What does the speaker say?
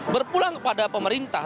berpulang kepada pemerintah